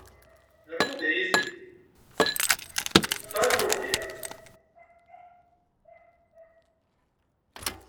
Rnu-d ay isli, lfeṭṭa n umeqyas.